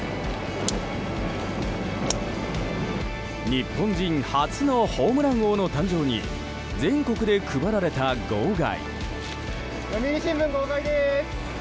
日本人初のホームラン王の誕生に全国で配られた号外。